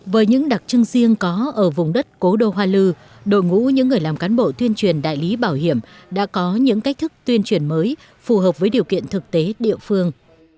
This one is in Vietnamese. với những đặc trưng riêng có ở vùng đất cố đô hoa lư đội ngũ những người làm cán bộ tuyên truyền đại lý bảo hiểm đã có những cách thức tuyên truyền mới phù hợp với điều kiện thực tế địa phương